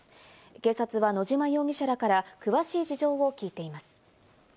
警察は野島容疑者らから詳しい事情を聞いています。